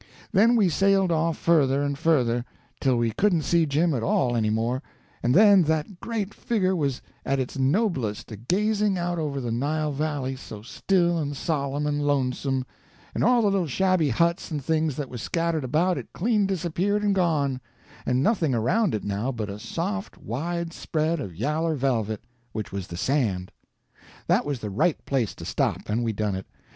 Then we sailed off further and further, till we couldn't see Jim at all any more, and then that great figger was at its noblest, a gazing out over the Nile Valley so still and solemn and lonesome, and all the little shabby huts and things that was scattered about it clean disappeared and gone, and nothing around it now but a soft wide spread of yaller velvet, which was the sand. That was the right place to stop, and we done it.